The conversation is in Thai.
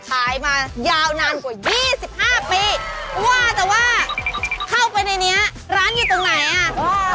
ขายมายาวนานกว่า๒๕ปีว่าแต่ว่าเข้าไปในนี้ร้านอยู่ตรงไหนอ่ะ